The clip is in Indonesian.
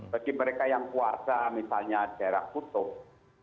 bagi mereka yang puasa misalnya daerah kutub